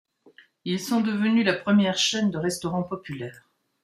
Ils sont devenus la première chaîne de restaurants populaire.